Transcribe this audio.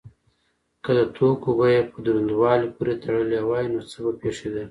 که د توکو بیه په دروندوالي پورې تړلی وای نو څه به پیښیدل؟